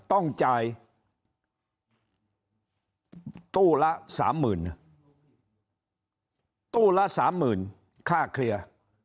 ต้องจ่ายตู้ละสามหมื่นตู้ละสามหมื่นค่าเคลียร์